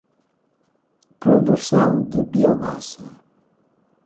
Produção de biomassa